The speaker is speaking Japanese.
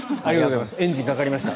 エンジンかかりました。